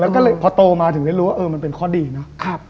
แล้วก็พอโตมาถึงได้รู้ว่ามันเป็นข้อดีเนาะ